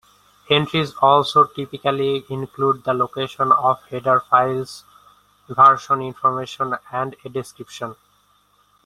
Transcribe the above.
Entries also typically include the location of header files, version information and a description.